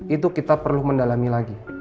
itu kita perlu mendalami lagi